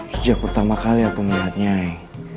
sejak pertama kali aku melihat nyai